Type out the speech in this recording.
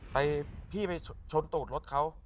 พี่ไปชนตูดรถเขา